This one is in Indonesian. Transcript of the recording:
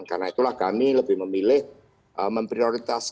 karena itulah kami lebih memilih memprioritasi